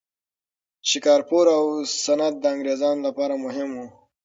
شکارپور او سند د انګریزانو لپاره مهم وو.